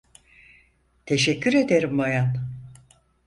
Teşekkür ederim bayan.